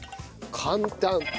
簡単！